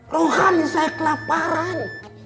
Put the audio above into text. ruhani saya kelaparan